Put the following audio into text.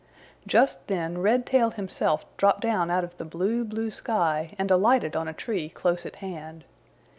Just then Redtail himself dropped down out of the blue, blue sky and alighted on a tree close at hand.